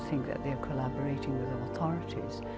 jika mereka berpengaruh dengan otoritas